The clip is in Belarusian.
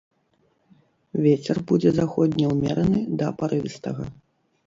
Вецер будзе заходні ўмераны да парывістага.